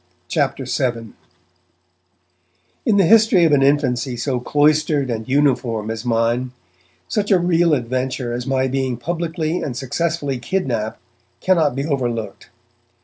CHAPTER VII IN the history of an infancy so cloistered and uniform as mine, such a real adventure as my being publicly and successfully kidnapped cannot be overlooked.